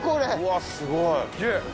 うわっすごい。